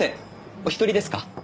お一人ですか？